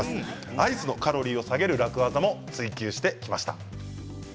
アイスのカロリーを下げる楽ワザを追求してきました。